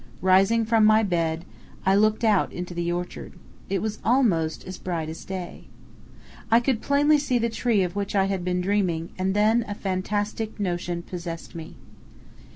Rising from my bed, I looked out into the orchard. It was almost as bright as day. I could plainly see the tree of which I had been dreaming, and then a fantastic notion possessed me.